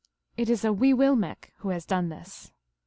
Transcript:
It is a loee willmehq who has done this.